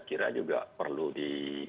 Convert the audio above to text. karena terlalu banyak